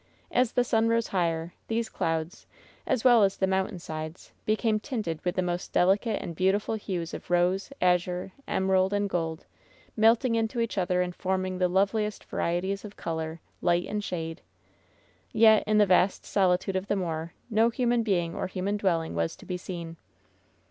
As the sun rose higher, these clouds, as well as the mountain sides, be came tinted with the most delicate and beautiful hues of rose, azure, emerald and gold, melting into each other and forming the loveliest varieties of color, light and shade. Yet in the vast solitude of the moor no human being or human dwelling was to be seen.